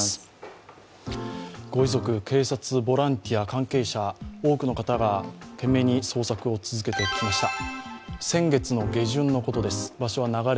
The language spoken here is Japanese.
ご遺族、警察、ボランティア関係者、多くの方が懸命に捜索を続けてきました。